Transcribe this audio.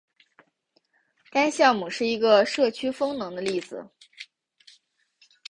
该项目是一个社区风能的例子。